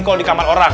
kalau di kamar orang